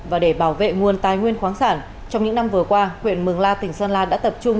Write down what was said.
và để bảo vệ nguồn tài nguyên khoáng sản trong những năm vừa qua huyện mường la tỉnh sơn la đã tập trung